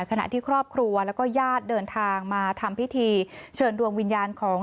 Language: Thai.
ขณะที่ครอบครัวแล้วก็ญาติเดินทางมาทำพิธีเชิญดวงวิญญาณของ